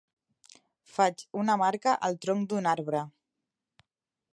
Faig una marca al tronc d'un arbre.